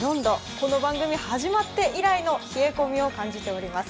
この番組始まって以来の冷え込みを感じております。